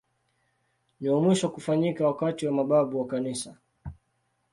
Ni wa mwisho kufanyika wakati wa mababu wa Kanisa.